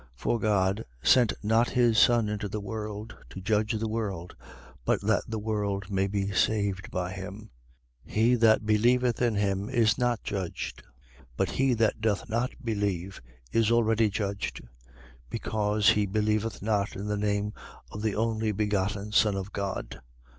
3:17. For God sent not his Son into the world, to judge the world: but that the world may be saved by him. 3:18. He that believeth in him is not judged. But he that doth not believe is already judged: because he believeth not in the name of the only begotten Son of God.